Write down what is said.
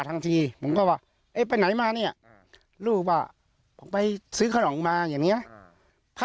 วัน๖โมงครับตอน๖โมงแล้วมาใกล้มืนและนะ